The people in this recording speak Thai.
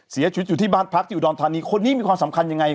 เสียชีวิตอยู่ที่บ้านพักที่อุดรธานีคนนี้มีความสำคัญยังไง